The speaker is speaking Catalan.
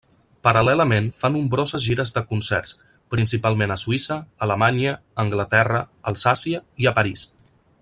Paral·lelament, fa nombroses gires de concerts, principalment a Suïssa, Alemanya, Anglaterra, Alsàcia i a París.